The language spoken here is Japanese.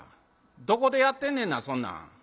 どこでやってんねんなそんなん」。